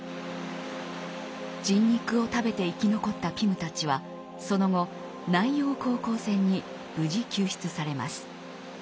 人肉を食べて生き残ったピムたちはその後南洋航行船に無事救出されます。